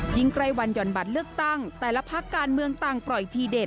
ใกล้วันหย่อนบัตรเลือกตั้งแต่ละพักการเมืองต่างปล่อยทีเด็ด